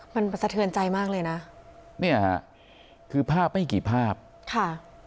มันสะเทือนใจมากเลยนะเนี่ยฮะคือภาพไม่กี่ภาพค่ะ